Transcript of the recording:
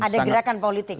ada gerakan politik ya